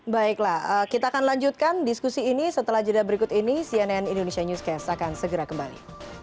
baiklah kita akan lanjutkan diskusi ini setelah jeda berikut ini cnn indonesia newscast akan segera kembali